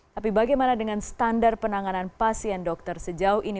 tapi bagaimana dengan standar penanganan pasien dokter sejauh ini